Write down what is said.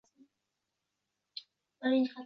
O`zimda yo`q xursand bo`lib, dugonalarimga ko`rsatdim